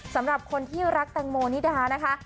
สำหรับคนที่รักแตงโมนิดานะคะ